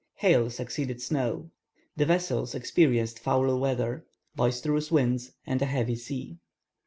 Hail succeeded snow. The vessels experienced foul weather, boisterous winds, and a heavy sea.